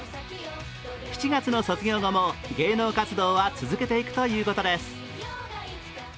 ７月の卒業後も芸能活動は続けていくということです。